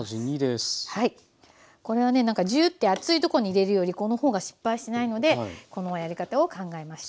これはねなんかジュッて熱いとこに入れるよりこの方が失敗しないのでこのやり方を考えました。